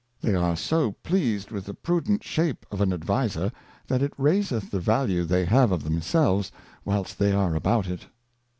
They are so pleased with the prudent Shape of an Adviser, that it raiseth the value they have of themselves, whilst they are about it.